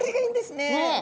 ねえ。